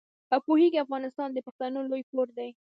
پوهېږې افغانستان د پښتنو لوی کور دی.